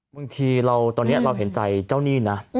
บางทีตอนนี้เราเห็นใจเจ้าหนี้นะ